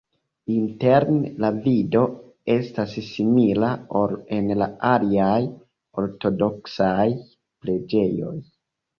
Interne la vido estas simila, ol en la aliaj ortodoksaj preĝejoj.